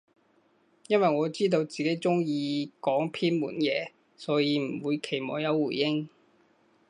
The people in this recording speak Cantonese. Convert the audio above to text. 因爲我知道自己中意講偏門嘢，所以唔會期望有回應